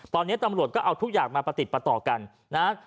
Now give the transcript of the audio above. ตอนนี้ตำรวจก็เอาทุกอย่างมาประติดประต่อกันนะฮะ